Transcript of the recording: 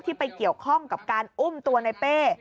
ไปเกี่ยวข้องกับการอุ้มตัวในเป้